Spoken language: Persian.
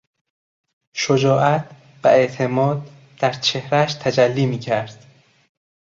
شجاعت و اعتماد در چهرهاش تجلی میکرد.